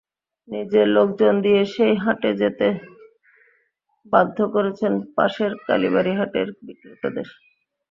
নিজের লোকজন দিয়ে সেই হাটে যেতে বাধ্য করছেন পাশের কালীবাড়ী হাটের বিক্রেতাদের।